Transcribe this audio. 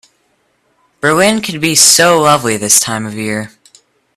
Berlin can be so lovely this time of year.